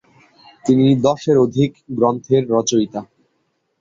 তিনি দশের অধিক গ্রন্থের রচয়িতা।